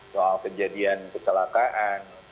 soal kejadian keselakaan